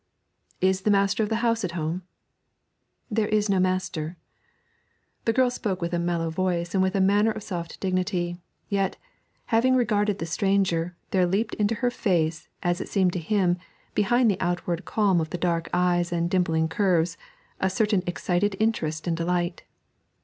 'Is the master of the house at home?' 'There is no master.' The girl spoke with a mellow voice and with a manner of soft dignity; yet, having regarded the stranger, there leaped into her face, as it seemed to him, behind the outward calm of the dark eyes and dimpling curves, a certain excited interest and delight.